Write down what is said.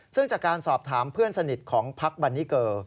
ซึ่งจากการสอบถามเพื่อนสนิทของพักบันนิเกอร์